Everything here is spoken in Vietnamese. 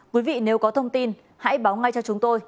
quý vị nếu có thông tin hãy báo ngay cho chúng tôi